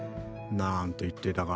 なんて言っていたが。